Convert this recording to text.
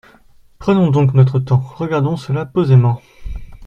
Prenons donc notre temps, regardons cela posément.